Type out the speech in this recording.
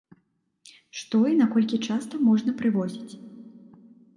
Што і наколькі часта можна прывозіць?